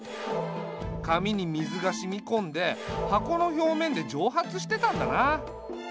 紙に水が染み込んで箱の表面で蒸発してたんだな。